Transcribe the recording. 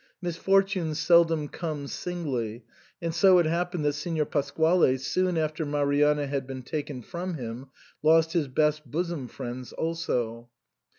Misfortunes seldom come singly ; and so it happened that Signor Pasquale, soon after Marianna had been taken from him, lost his best bosom friends also.